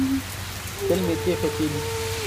Quel métier fait-il ?